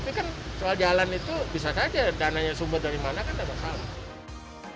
tapi kan soal jalan itu bisa saja dananya sumber dari mana kan ada masalah